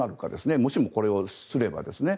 もしもこれをすればですね。